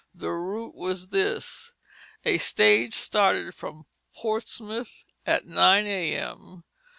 The route was this: a stage started from Portsmouth at 9 A.M.